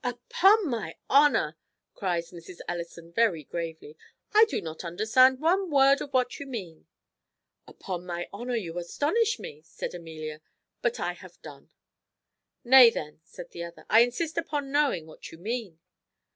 "Upon my honour," cries Mrs. Ellison very gravely, "I do not understand one word of what you mean." "Upon my honour, you astonish me," said Amelia; "but I have done." "Nay then," said the other, "I insist upon knowing what you mean."